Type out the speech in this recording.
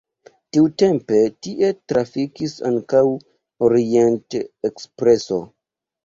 Tiutempe tie trafikis ankaŭ Orient-ekspreso.